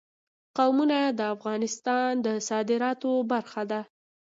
قومونه د افغانستان د صادراتو برخه ده.